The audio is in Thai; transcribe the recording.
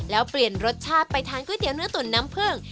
แล้วเปลี่ยนรสชาติไปทานก๋วยเตี๋เนื้อตุ๋นน้ำผึ้ง